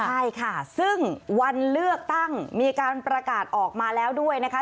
ใช่ค่ะซึ่งวันเลือกตั้งมีการประกาศออกมาแล้วด้วยนะคะ